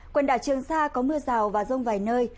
quần đảo trường sa có mưa rào và rông vài nơi